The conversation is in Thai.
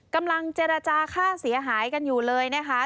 กำลังเจรจาค่าเสียหายกันอยู่เลยนะคะ